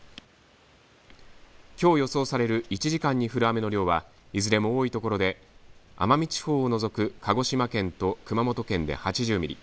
きょう予想される１時間に降る雨の量はいずれも多いところで奄美地方を除く鹿児島県と熊本県で８０ミリ。